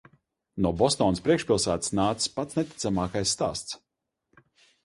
No Bostonas priekšpilsētas nācis pats neticamākais stāsts.